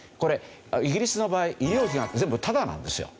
イギリスの場合医療費が全部タダなんですよ。